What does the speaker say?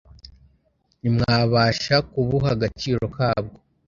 ntimwabasha kubuha agaciro kabwo.